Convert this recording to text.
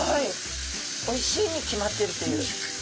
おいしいに決まってるという。